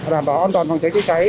đảm bảo an toàn phòng cháy chữa cháy